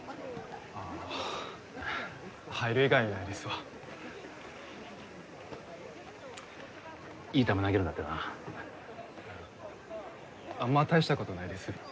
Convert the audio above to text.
ああ入る以外にないですわいい球投げるんだってなあんま大したことないです